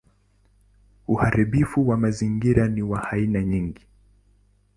Uharibifu wa mazingira ni wa aina nyingi.